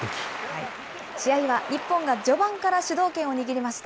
試合は日本が序盤から主導権を握りました。